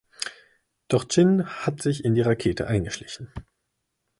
Doch Chin hat sich in die Rakete eingeschlichen.